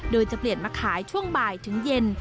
โดยจะเปลี่ยนมาขายช่วงบ่ายถึงเย็น